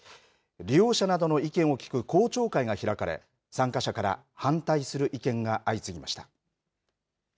利用者などの意見を聞く公聴会が開かれ参加者から反対する意見が相次ぎました。